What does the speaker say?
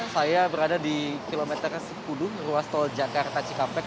saya berada di kilometer sepuluh ruas tol jakarta cikampek